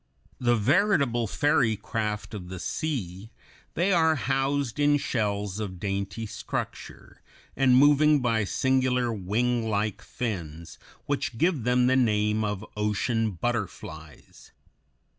The veritable fairy craft of the sea, they are housed in shells of dainty structure and moving by singular winglike fins, which give them the name of ocean butterflies.